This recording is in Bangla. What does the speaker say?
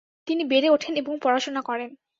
তিনি বেড়ে ওঠেন এবং পড়াশোনা করেন।